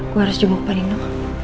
gua harus jemuk pak rino